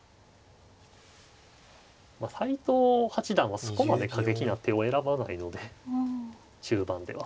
斎藤八段はそこまで過激な手を選ばないので中盤では。